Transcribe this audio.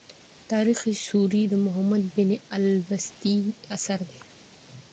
تاریخ سوري د محمد بن علي البستي اثر دﺉ.